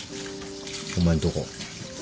お前んとこ。